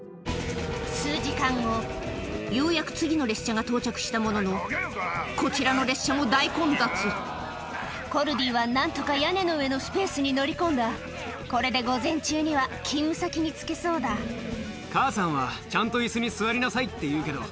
数時間後ようやく次の列車が到着したもののこちらの列車も大混雑コルディは何とか屋根の上のスペースに乗り込んだこれで午前中には勤務先に着けそうだって言うけど。